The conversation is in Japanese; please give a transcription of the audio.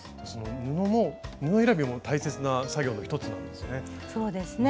布選びも大切な作業の一つなんですね。